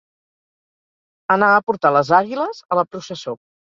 Anar a portar les àguiles a la processó.